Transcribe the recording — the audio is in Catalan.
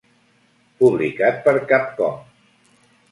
Publicat per Capcom.